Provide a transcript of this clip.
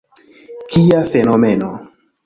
Kia fenomeno!